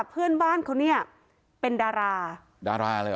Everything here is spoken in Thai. เพื่อนบ้านเขาเนี่ยเป็นดาราดาราเลยเห